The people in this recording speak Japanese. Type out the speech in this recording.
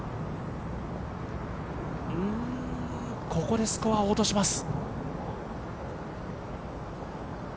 ここでスコアを落とします。